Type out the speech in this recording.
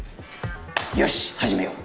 よし始めよう。